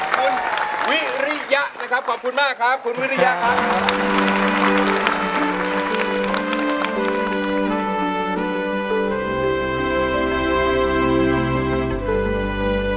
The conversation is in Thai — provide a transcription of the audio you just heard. คุณวิริยะนะครับขอบคุณมากครับคุณวิริยะครับ